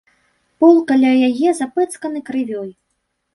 Пол каля яе запэцканы крывёй.